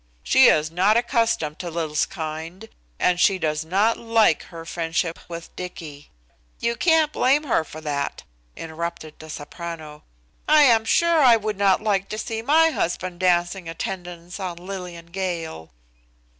She is not accustomed to Lil's kind, and she does not like her friendship with Dicky." "You can't blame her for that," interrupted the soprano. "I am sure I would not like to see my husband dancing attendance on Lillian Gale."